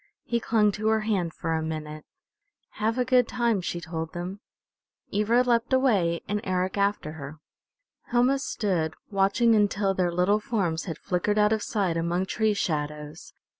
He clung to her hand for a minute. "Have a good time," she told them. Ivra leapt away and Eric after her. Helma stood watching until their little forms had flickered out of sight among tree shadows.